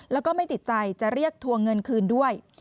แล้วก็ไม่ติดใจจะเรียกทวงเงินคืนด้วย